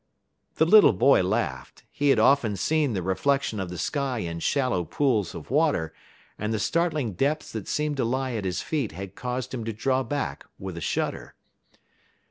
The little boy laughed. He had often seen the reflection of the sky in shallow pools of water, and the startling depths that seemed to lie at his feet had caused him to draw back with a shudder.